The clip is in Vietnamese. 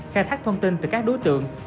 khai thác thông tin từ các đối tượng